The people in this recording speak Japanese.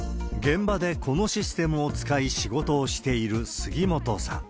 現場でこのシステムを使い仕事をしている杉本さん。